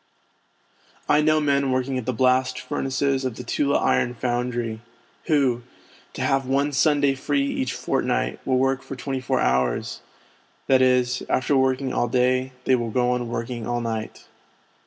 I know men working at the blast furnaces of the Tula Iron Foundry, who, to have one Sunday free each fortnight, will work for twenty four hours ; that is, after working all day, they will go on working all night.